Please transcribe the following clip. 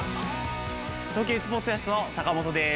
東急スポーツオアシスの坂本です。